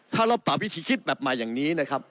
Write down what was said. ถ้าเราปรับวิธีคิดแบบใหม่อย่างนี้นะครับ